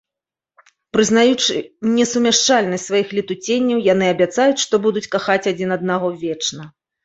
Прызнаючы несумяшчальнасць сваіх летуценняў, яны абяцаюць, што будуць кахаць адзін аднаго вечна.